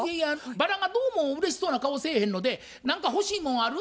バラがどうもうれしそうな顔せえへんので「何か欲しいもんある？